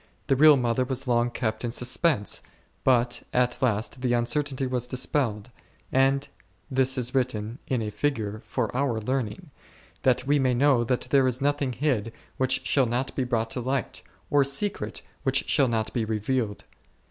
The real mother was long kept in suspense, but at last the uncertainty was dispelled ; and this is written, in a figure, for our learning, that we may know that there is nothing hid which shall not be brought to light, or secret which shall not be revealed.